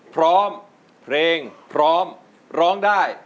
กลับมาเมื่อเวลาที่สุดท้าย